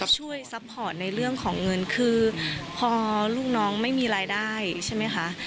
ซัพพอร์ตในเรื่องของเงินคือพอลูกน้องไม่มีรายได้ใช่ไหมคะ